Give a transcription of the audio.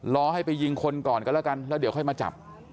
รอให้ไปยิงคนก่อนก็แล้วกันแล้วเดี๋ยวค่อยมาจับ